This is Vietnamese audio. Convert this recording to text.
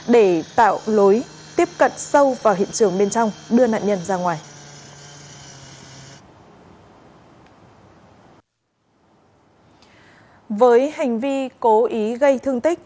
để tạo lối tiếp cận sâu vào hiện trường bên trong đưa nạn nhân ra ngoài